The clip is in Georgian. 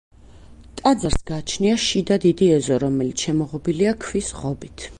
ტაძარს გააჩნია შიდა დიდი ეზო, რომელიც შემოღობილია ქვის ღობით.